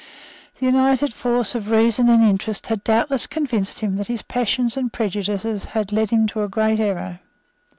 The united force of reason and interest had doubtless convinced him that his passions and prejudices had led him into a great error.